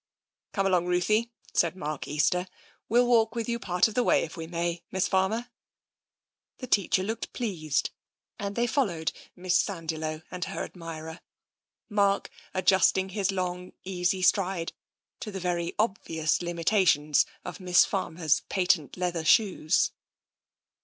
" Come along, Ruthie," said Mark Easter. " We'll walk with you part of the way if we may. Miss Farmer." The teacher looked pleased, and they followed Miss Sandiloe and her admirer, Mark adjusting his long, easy stride to the very obvious limitations of Miss Farmer's patent leather shoes.